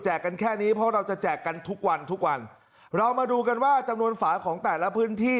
กันแค่นี้เพราะเราจะแจกกันทุกวันทุกวันเรามาดูกันว่าจำนวนฝาของแต่ละพื้นที่